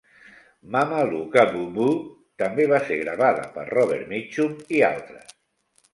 "Mama Look a Boo Boo" també va ser gravada per Robert Mitchum i altres.